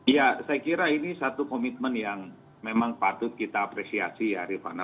ya saya kira ini satu komitmen yang memang patut kita apresiasi ya rifana